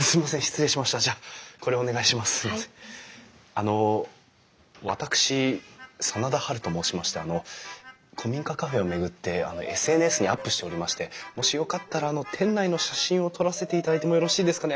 あの私真田ハルと申しましてあの古民家カフェを巡ってＳＮＳにアップしておりましてもしよかったら店内の写真を撮らせていただいてもよろしいですかね？